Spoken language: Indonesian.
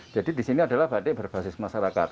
jadi di sini adalah batik berbasis masyarakat